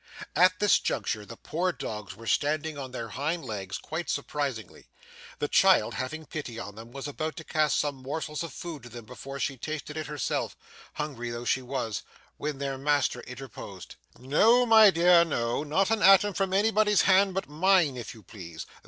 At this juncture the poor dogs were standing on their hind legs quite surprisingly; the child, having pity on them, was about to cast some morsels of food to them before she tasted it herself, hungry though she was, when their master interposed. 'No, my dear, no, not an atom from anybody's hand but mine if you please.